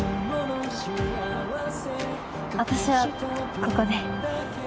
私はここで。